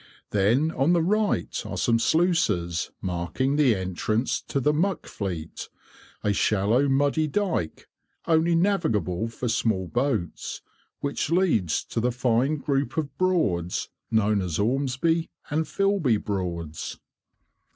Then, on the right, are some sluices, marking the entrance to the "Muck Fleet," a shallow, muddy dyke, only navigable for small boats, which leads to the fine group of Broads known as Ormesby and Filby Broads.